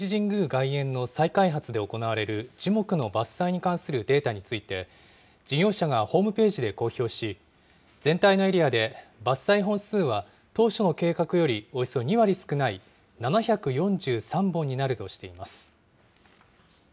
外苑の再開発で行われる樹木の伐採に関するデータについて、事業者がホームページで公表し、全体のエリアで伐採本数は当初の計画よりおよそ２割少ない、７４３本になるとしています。